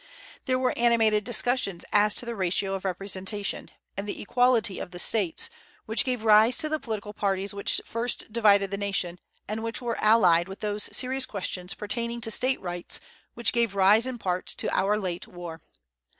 There were animated discussions as to the ratio of representation, and the equality of States, which gave rise to the political parties which first divided the nation, and which were allied with those serious questions pertaining to State rights which gave rise, in part, to our late war.